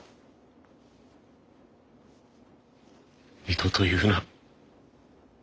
二度と言うな。